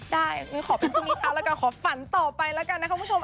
ขอเป็นพรุ่งนี้เช้าแล้วกันขอฝันต่อไปแล้วกันนะครับคุณผู้ชม